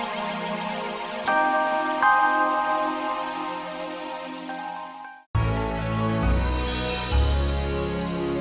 terima kasih mas